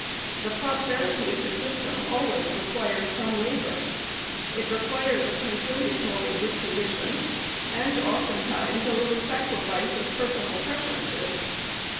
The prosperity of the system always re quires some labor. It requires a conciliatory disposition, and oftentimes a little sacrifice of personal preferences.